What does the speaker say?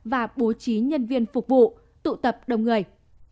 và bố trí nhân viên phục vụ tụ tập đông người